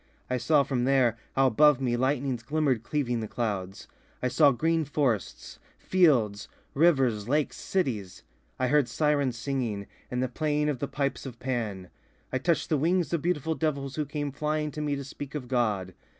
I saw from there how above me lightnings glimmered cleaving the clouds; I saw green forests, fields, rivers, lakes, cities; I heard syrens singing, and the playing of the pipes of Pan; I touched the wings of beautiful devils who came flying to me to speak of God...